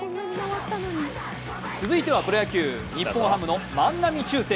続いてはプロ野球、日本ハムの万波中正。